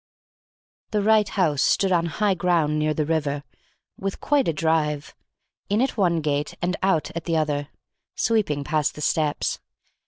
The right house stood on high ground near the river, with quite a drive (in at one gate and out at the other) sweeping past the steps.